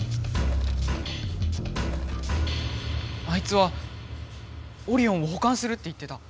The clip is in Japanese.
あいつはオリオンをほかんするって言ってた。